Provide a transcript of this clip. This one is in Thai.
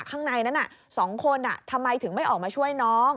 ข้างในนั้น๒คนทำไมถึงไม่ออกมาช่วยน้อง